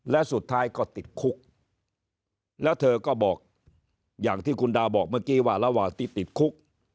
และสุดท้ายก็ติดคุกแล้วเธอก็บอกอย่างที่คุณดาวบอกเมื่อกี้ว่าระหว่างที่ติดคุก